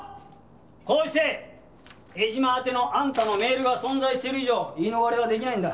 こうして江島宛てのあんたのメールが存在してる以上言い逃れは出来ないんだ。